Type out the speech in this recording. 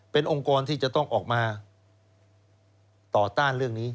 เป็นองค์กรที่จะต้องออกมาต่อต้านเรื่องนี้